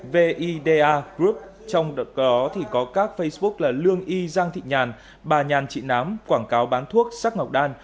vida group trong đó có các facebook là lương y giang thị nhàn bà nhàn trị nám quảng cáo bán thuốc sắc ngọc đan